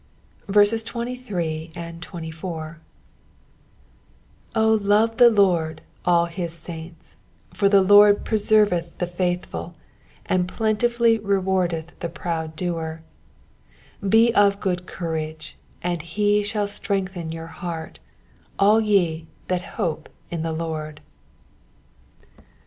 23 O love the Lord, all ye his saints : for the LORD preserveth the faithful, and plentifully rewardeth the proud doer. 24 Be of good courage, and he shall strengthen your heart, all ye that hope in the Lord.